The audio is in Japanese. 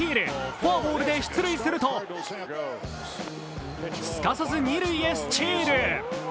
フォアボールで出塁するとすかさず二塁へスチール。